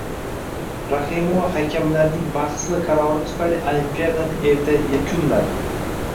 Rahimova hakamlarning bahsli qarori tufayli Olimpiadani erta yakunladi